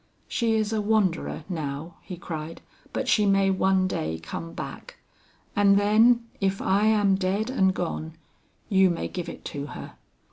'She is a wanderer now,' he cried, 'but she may one day come back, and then if I am dead and gone, you may give it to her.'